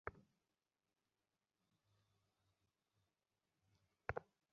বেশ, বিশাল পেঁচা দরজা, দৈত্যাকার পেঁচা।